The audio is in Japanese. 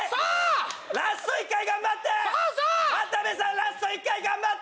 ラスト１回頑張って！